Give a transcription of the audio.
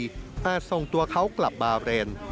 น่าจะส่งตัวเขากลับบาเวร